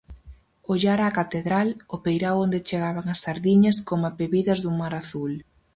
Ollara a catedral, o peirao onde chegaban as sardiñas, coma pebidas dun mar azul.